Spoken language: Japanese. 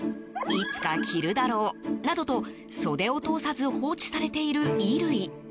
いつか着るだろうなどと袖を通さず放置されている衣類。